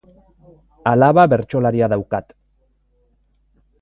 Alaba bertsolaria daukat.